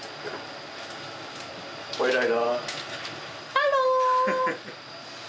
ハロー。